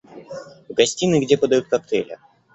В гостиной, где подают коктейли.